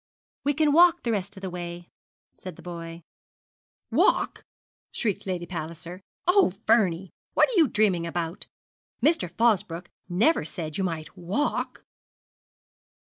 'We can walk the rest of the way,' said the boy. 'Walk!' shrieked Lady Palliser. 'Oh, Vernie, what are you dreaming about? Mr. Fosbroke never said you might walk.'